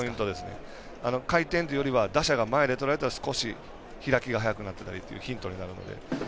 回転というよりは打者が前でとらえたら少し開きが早くなったりヒントになるので。